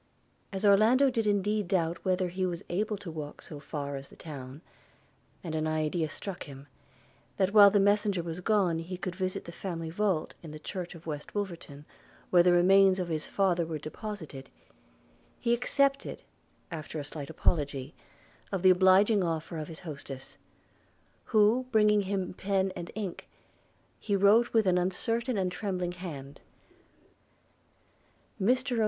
As Orlando did indeed doubt whether he was able to walk so far as the town, and an idea struck him, that while the messenger was gone, he could visit the family vault, in the church of West Wolverton, where the remains of his father were deposited, he accepted, after a slight apology, of the obliging offer of his hostess; who bringing him pen and ink, he wrote with an uncertain and trembling hand – 'Mr O.